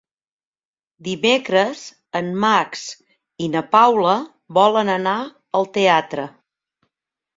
Dimecres en Max i na Paula volen anar al teatre.